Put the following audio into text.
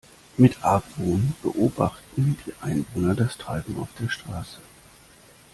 Mit Argwohn beobachten die Einwohner das Treiben auf der Straße.